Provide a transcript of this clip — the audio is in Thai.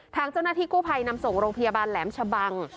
ทางเจ้าหน้าที่กู้ภัยนำส่งโรงพยาบาลแหลมชะบัง